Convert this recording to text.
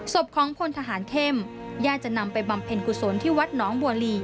ศพของพลทหารเข้มญาติจะนำไปบำเพ็ญกุศลที่วัดหนองบัวลี